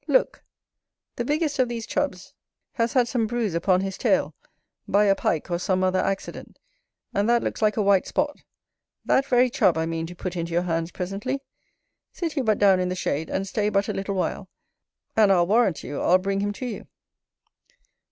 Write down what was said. Look! the biggest of these Chubs has had some bruise upon his tail, by a Pike or some other accident; and that looks like a white spot. That very Chub I mean to put into your hands presently; sit you but down in the shade, and stay but a little while; and I'll warrant you, I'll bring him to you.